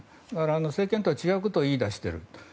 政権とは違うことを言い出している。